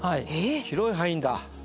広い範囲だ。